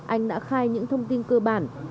anh đã khai những thông tin cơ bản